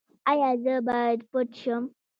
ایا زه باید پټ شم؟